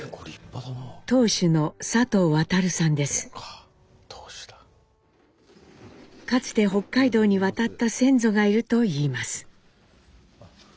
当主のかつて北海道に渡った先祖がいると言います。